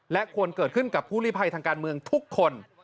และควรเกิดขึ้นกับผู้ลิภัยทางการเมืองทุกคน